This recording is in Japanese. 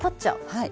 はい。